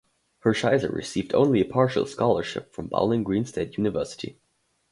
Hershiser received only a partial scholarship from Bowling Green State University.